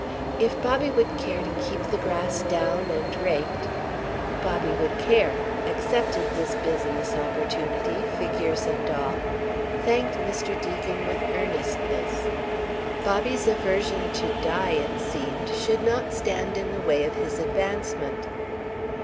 If Bobby would care to keep the grass down and raked ... Bobby would care, accepted this business opportunity, figures and all, thanked Mr. Deacon with earnestness. Bobby's aversion to Di, it seemed, should not stand in the way of his advancement.